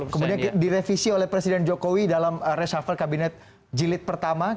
kemudian direvisi oleh presiden jokowi dalam reshuffle kabinet jilid pertama